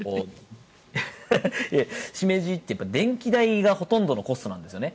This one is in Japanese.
シメジって電気代がほとんどのコストなんですよね。